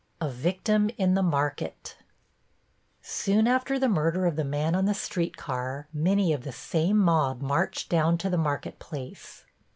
+A VICTIM IN THE MARKET+ Soon after the murder of the man on the street car many of the same mob marched down to the market place.